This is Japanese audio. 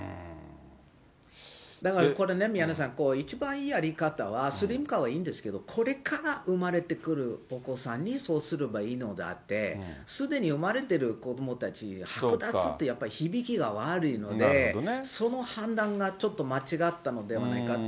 だからこれね、宮根さんね、一番いいやり方は、スリム化はいいんですけど、これから生まれてくるお子さんにそうすればいいのであって、すでに生まれてる子どもたち、剥奪ってやっぱり響きが悪いので、その判断がちょっと間違ったのではないかと。